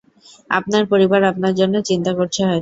আপনার পরিবার আপনার জন্য চিন্তা করছে হয়তো।